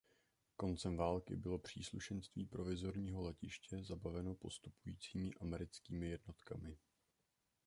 Koncem války bylo příslušenství provizorního letiště zabaveno postupujícími americkými jednotkami.